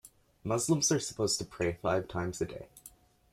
Muslims are supposed to pray five times a day.